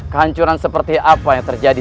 kehancuran seperti apa yang terjadi